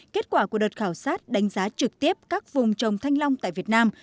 kết quả của đợt khảo sát đánh giá trực tiếp các vùng trồng thanh long tại việt nam